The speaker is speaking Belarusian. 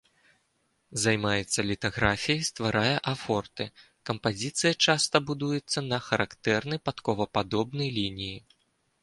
Займаецца літаграфіяй, стварае афорты, кампазіцыя часта будуецца на характэрнай падковападобнай лініі.